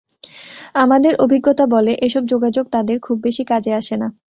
আমাদের অভিজ্ঞতা বলে, এসব যোগাযোগ তাঁদের খুব বেশি কাজে আসে না।